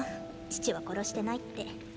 父は殺してないって。